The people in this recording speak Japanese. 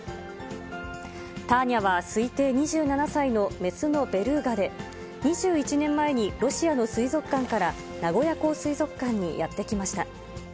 タアニャは推定２７歳の雌のベルーガで、２１年前にロシアの水族館から名古屋港水族館にやって来ました。